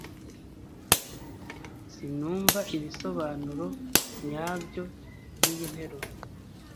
Sinumva ibisobanuro nyabyo byiyi nteruro.